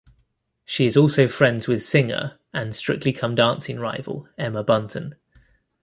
She is also friends with singer and "Strictly Come Dancing" rival Emma Bunton.